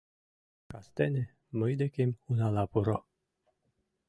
— Кастене мый декем унала пуро.